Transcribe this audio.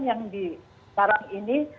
yang di sekarang ini